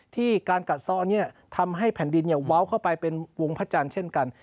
ที่การกัดซ้อทำให้แผ่นดินเว้าเข้าไปเป็นวงพระจันทร์เช่นกัน